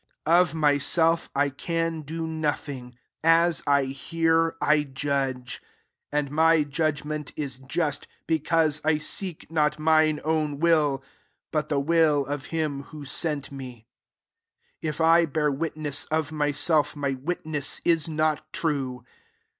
SO <^ Of myself, I can do no thing : as I hear, I judge : and my judgment is just; because I seek not mine own will, but the will of him who sent me* 31 " If I bear witness of my self, my witness is not true.